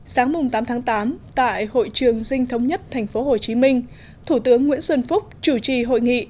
sáng tám tháng tám tại hội trường dinh thống nhất tp hcm thủ tướng nguyễn xuân phúc chủ trì hội nghị